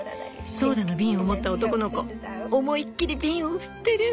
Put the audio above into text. ソーダの瓶を持った男の子思いっきり瓶を振ってる。